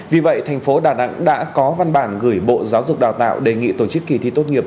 vì vậy thành phố đà nẵng đã có văn bản gửi bộ giáo dục đào tạo đề nghị tổ chức kỳ thi tốt nghiệp